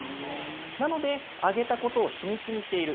なので、あげたことを秘密にしている。